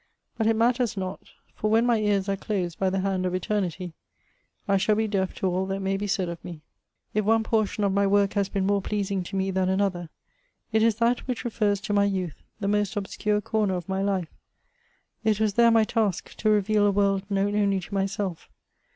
But it matters not; for, when my ears are closed by the hand of Eternity, I shall be deaf to all that may be said of me. If one portion of my work has been more pleasing to me than another, it is that which refers to my youth — ^the most obscure comer of my life. . It was there my task to reveal a world known only to myself.